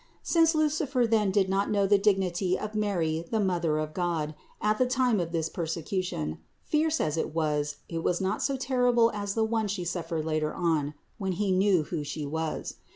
327. Since Lucifer then did not kno*v the dignity of Mary the Mother of God at the time of this persecu tion, fierce as it was, it was not so terrible as the one She suffered later on, when He knew who She was.